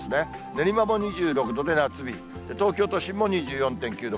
練馬も２６度で夏日、東京都心も２４．９度。